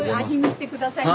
味見して下さい。